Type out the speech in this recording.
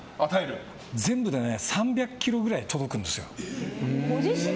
全部で３００ｋｇぐらい届くんですよ。